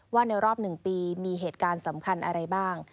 ว่าในรอบ๑ปีมีเหตุการณ์สำคัญอะไรบ้าง